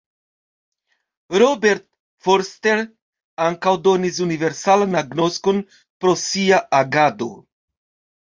Robert Forster ankaŭ donis universalan agnoskon pro sia agado.